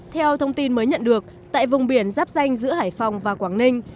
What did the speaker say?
theo thông tin mới nhận được tại vùng biển giáp danh giữa hải phòng và quảng ninh